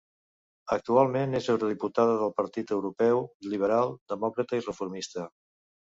Actualment és eurodiputada del Partit Europeu Liberal, Demòcrata i Reformista.